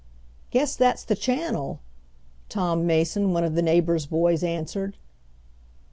"Guess that's the channel," Tom Mason, one of the neighbors' boys, answered.